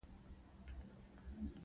دریشي د ښاري خلکو لباس دی.